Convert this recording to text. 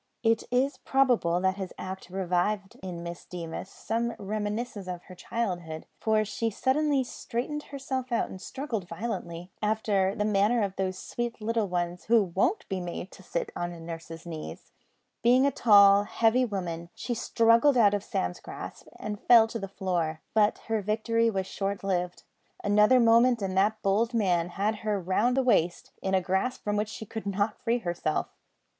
It is probable that this act revived in Miss Deemas some reminiscences of her childhood, for she suddenly straightened herself out and struggled violently, after the manner of those sweet little ones who won't be made to sit on nurse's knees. Being a tall, heavy woman, she struggled out of Sam's grasp and fell to the floor; but her victory was short lived. Another moment and that bold man had her round the waist, in a grasp from which she could not free herself.